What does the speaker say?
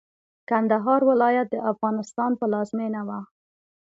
کندهار ولايت د افغانستان پلازمېنه وه.